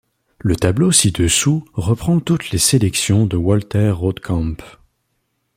Le tableau ci-dessous reprend toutes les sélections de Walter Rodekamp.